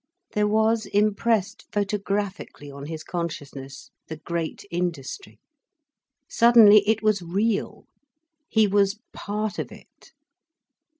There was impressed photographically on his consciousness the great industry. Suddenly, it was real, he was part of it.